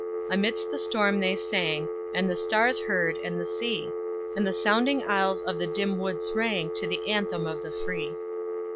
Amidst the storm they sang, And the stars heard, and the sea; And the sounding aisles of the dim woods rang To the anthem of the free!"